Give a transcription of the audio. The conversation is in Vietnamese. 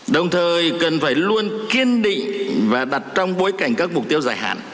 đồng thời cần phải luôn kiên định và đặt trong bối cảnh các mục tiêu dài hạn